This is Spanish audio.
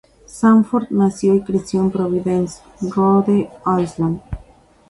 Sanford nació y creció en Providence, Rhode Island.